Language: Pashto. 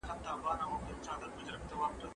ماشومتوب د پاچاهۍ وخت دی.